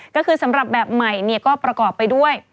ก็คือสำหรับแบบใหม่ก็ประกอบไปด้วย